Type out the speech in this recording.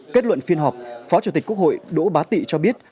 kết luận phiên họp phó chủ tịch quốc hội đỗ bá tị cho biết